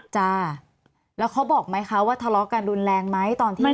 จ้าแล้วเขาบอกไหมคะว่าทะเลาะกันรุนแรงไหมตอนที่